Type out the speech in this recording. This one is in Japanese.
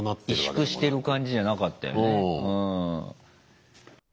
萎縮してる感じじゃなかったよね。